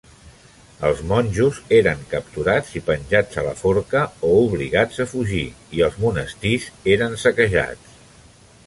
Els monjos eren capturats i penjats a la forca o obligats a fugir, i els monestirs eren saquejats.